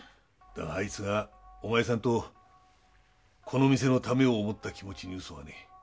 だがあいつがお前さんとこの店のためを思った気持ちにうそはねえ。